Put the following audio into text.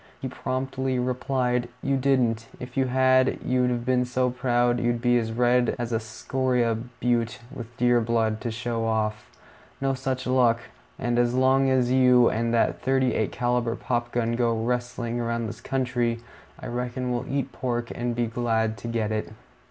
He promptly replied, "You didn't; if you had, you'd have been so proud you'd be as red as a scoria butte with deer blood, to show off. No such luck; and as long as you and that thirty eight caliber pop gun go rustling around this country, I reckon we'll eat pork and be glad to get it."